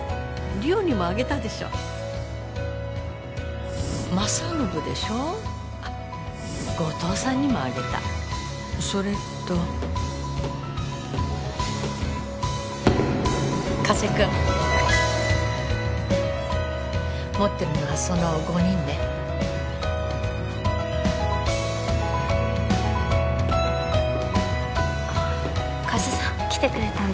梨央にもあげたでしょ政信でしょあっ後藤さんにもあげたそれと加瀬君持ってるのはその５人ねあっ加瀬さん来てくれたんだ